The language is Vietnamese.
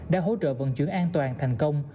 đã hỗ trợ vận chuyển an toàn thành công